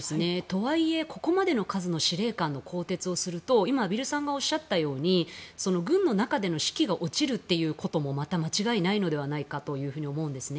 とはいえ、ここまでの数の司令官の更迭をすると今、畔蒜さんがおっしゃったように軍の中での士気が落ちるということもまた間違いないのではないかと思うんです。